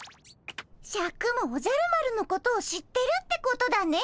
シャクもおじゃる丸のことを知ってるってことだね。